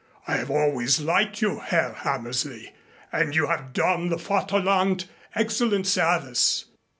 I have always liked you, Herr Hammersley, and you have done the Vaterland excellent service.